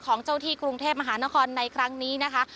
ของเจ้าที่กรุงเทพมหานครในครั้งนี้นะคะ